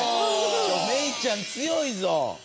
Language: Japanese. メイちゃん強いぞ。